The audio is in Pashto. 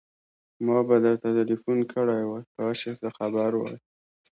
ما به درته ټليفون کړی وای، کاش چې زه خبر وای.